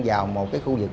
vào một cái khu vực